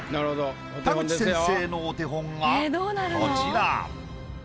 田口先生のお手本がこちら。